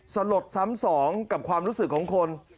สลดซ้ำสองกับความรู้สึกของคน